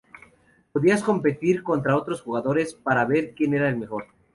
Podías competir contra otros jugadores para ver quien era el mejor.